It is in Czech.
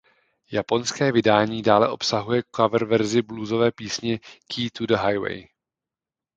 Japonské vydání dále obsahuje coververzi bluesové písně „Key to the Highway“.